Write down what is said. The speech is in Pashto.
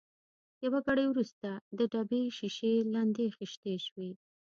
یو ګړی وروسته د ډبې شېشې لندې خېشتې شوې.